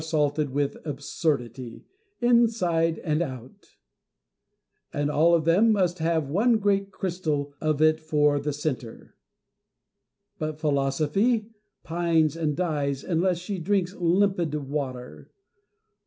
salted with absurdity, inside and out 1 and all of them must have one great crystal of it for the centre ; but Philosophy pines and dies unless she drinks limpid water.